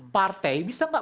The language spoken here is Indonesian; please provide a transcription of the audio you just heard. partai bisa enggak